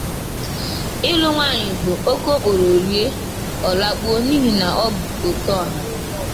Ịlụ nwaanyị bụ okokporo rie ọ lakpuo n'ihi na ọ bụ òke ọhà